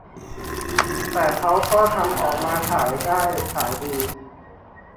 แต่เค้าก็ทำออกมาขายได้ขายดี